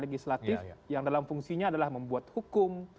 legislatif yang dalam fungsinya adalah membuat hukum